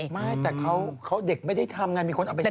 ไม่แต่เขาเด็กไม่ได้ทำไงมีคนเอาไปใช้